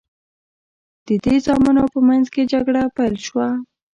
د دې زامنو په منځ کې جګړه پیل شوه.